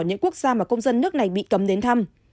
những quốc gia mà công dân nước này bị cấm đến thăm